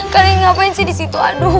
kalian ngapain sih disitu